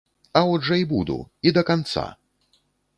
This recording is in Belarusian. А от жа і буду, і да канца!